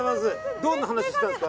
どんな話をしていたんですか？